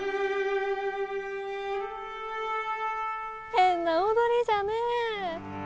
変な踊りじゃねえ！